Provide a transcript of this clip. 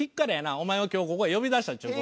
お前を今日ここへ呼び出したっちゅう事。